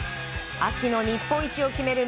秋の日本一を決める